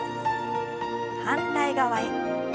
反対側へ。